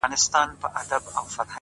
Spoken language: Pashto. گراني په دې ياغي سيتار راته خبري کوه ـ